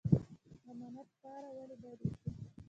امانت کاره ولې باید اوسو؟